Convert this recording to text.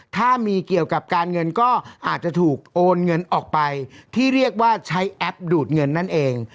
ถ้ามีเกี่ยวกับการเงินก็อาจจะถูกโอนเงินออกไปที่เรียกว่าใช้แอปดูดเงินนั่นเอง